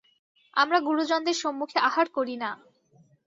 আমরা গুরুজনদের সম্মুখে আহার করি না।